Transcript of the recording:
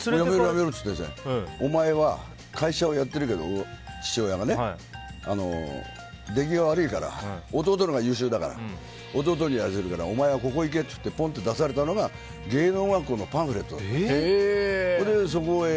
お前は会社をやってるけど父親がね出来が悪いから弟のほうが優秀だから弟にやらせるからお前はここ行けってポンと出されたのが芸能学校のパンフレットだったの。